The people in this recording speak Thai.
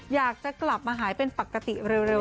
อยากจะกลับมาหายเป็นปกติเร็ว